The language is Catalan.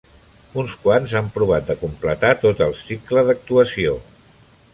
Uns quants han provat de completar tot el cicle d'actuació.